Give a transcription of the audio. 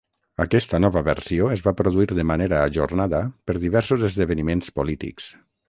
Aquesta nova versió es va produir de manera ajornada per diversos esdeveniments polítics.